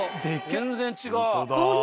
全然違う。